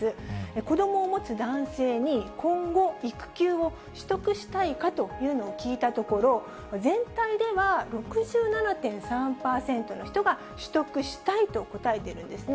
子どもを持つ男性に今後、育休を取得したいかというのを聞いたところ、全体では６７．３％の人が取得したいと答えているんですね。